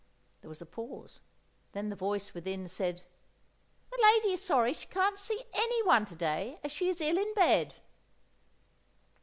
There was a pause, then the voice within said— "The lady is sorry she can't see anyone to day, as she is ill in bed."